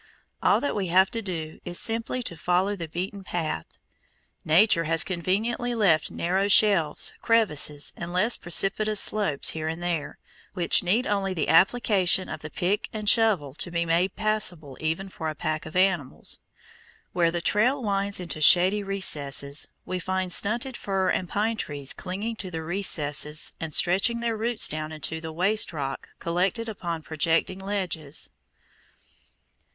All that we have to do is simply to follow the beaten path. Nature has conveniently left narrow shelves, crevices, and less precipitous slopes here and there, which need only the application of the pick and shovel to be made passable even for pack animals. Where the trail winds into shady recesses, we find stunted fir and pine trees clinging to the crevices and stretching their roots down into the waste rock collected upon projecting ledges.